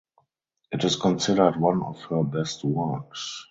It is considered one of her best works.